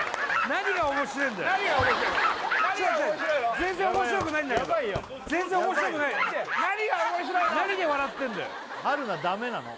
何が面白いの？